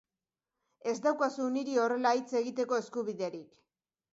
Ez daukazu niri horrela hitz egiteko eskubiderik.